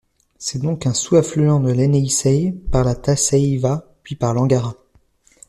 C'est donc un sous-affluent de l'Ienisseï par la Tasseïeva, puis par l'Angara.